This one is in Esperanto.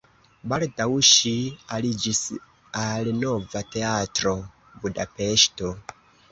Baldaŭ ŝi aliĝis al Nova Teatro (Budapeŝto).